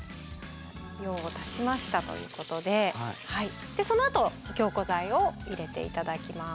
用を足しましたということででそのあと凝固剤を入れて頂きます。